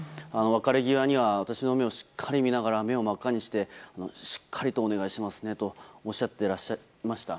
別れ際には私の目をしっかり見ながら目を真っ赤にしてしっかりとお願いしますねとおっしゃっていました。